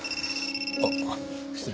あっ失礼。